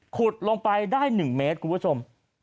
ขุดลงไปได้๑เมตรคุณผู้ชม